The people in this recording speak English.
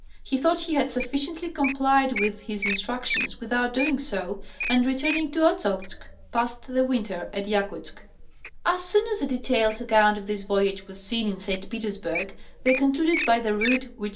He thought he had sufficiently complied with his instructions without doing so, and re turning to Ochozk, passed the winter at Yakouzk. As soon as a detailed account of this voyage was seen in St. Petersburg they concluded by the route which M.